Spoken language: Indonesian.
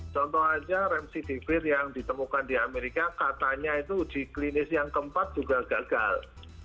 contoh aja rem sidivir yang ditemukan di amerika katanya itu di klinis yang keempat juga gagal